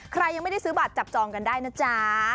ใครยังไม่ได้ซื้อบัตรจับจองกันได้นะจ๊ะ